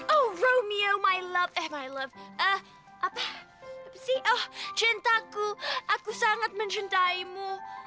oh romeo my love eh my love eh apa apa sih oh cintaku aku sangat mencintaimu